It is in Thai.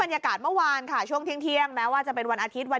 รสภาพเหมือนเข้าใจ